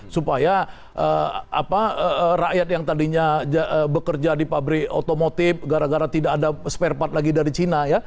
supaya rakyat yang tadinya bekerja di pabrik otomotif gara gara tidak ada spare part lagi dari cina ya